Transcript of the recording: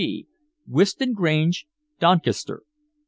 G., Whiston Grange, Doncaster.'"